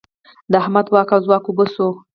د احمد واک او ځواک اوبه شو.